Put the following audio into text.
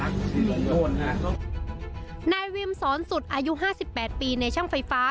นายวิมสอนสุดอายุห้าสิบแปดปีในช่างไฟฟ้า